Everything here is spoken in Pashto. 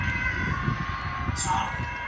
د خان خبره وه د خلکو او د کلي سلا